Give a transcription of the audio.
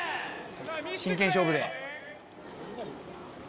「真剣勝負で」